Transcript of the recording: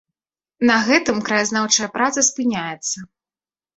На гэтым краязнаўчая праца спыняецца.